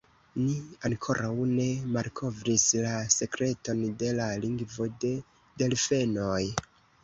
Ni ankoraŭ ne malkovris la sekreton de la lingvo de delfenoj.